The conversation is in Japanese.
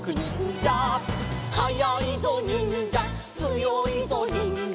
「はやいぞにんじゃつよいぞにんじゃ」